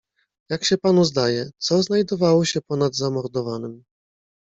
"Jak się panu zdaje, co znajdowało się ponad zamordowanym?"